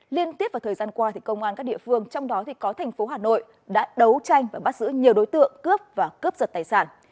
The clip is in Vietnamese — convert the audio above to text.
liên tiếp vào thời gian qua công an các địa phương trong đó có thành phố hà nội đã đấu tranh và bắt giữ nhiều đối tượng cướp và cướp giật tài sản